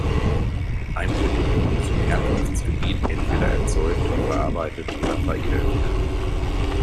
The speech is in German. Ein Produkt muss im Herkunftsgebiet entweder erzeugt, verarbeitet oder veredelt werden.